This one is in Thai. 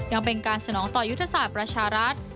ยังเป็นการสนองต่อยุทธศาสตร์ประชารัฐ